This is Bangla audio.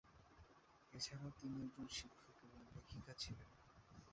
এছাড়াও তিনি একজন শিক্ষক এবং লেখিকা ছিলেন।